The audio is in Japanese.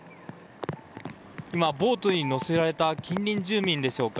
今、ボートに乗せられた近隣住民でしょうか。